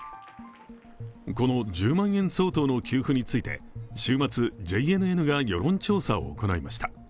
この１０万円相当の給付について、週末、ＪＮＮが世論調査を行いました。